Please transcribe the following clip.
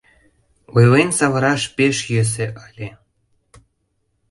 Ойлен савыраш пеш йӧсӧ ыле.